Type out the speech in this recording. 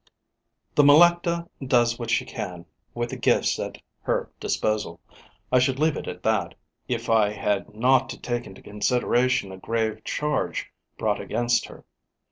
The Melecta does what she can with the gifts at her disposal. I should leave it at that, if I had not to take into consideration a grave charge brought against her.